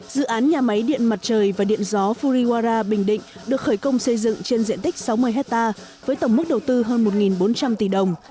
dự án nhà máy điện mặt trời và điện gió furiwara bình định được khởi công xây dựng trên diện tích sáu mươi hectare với tổng mức đầu tư hơn một bốn trăm linh tỷ đồng